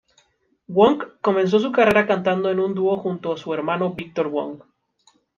Wong comenzó su carrera cantando en un dúo junto a su hermano Victor Wong.